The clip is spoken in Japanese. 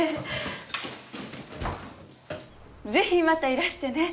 ぜひまたいらしてね。